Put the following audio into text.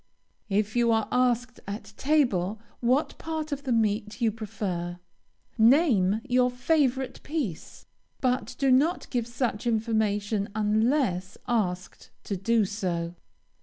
If you are asked at table what part of the meat you prefer, name your favorite piece, but do not give such information unless asked to do so.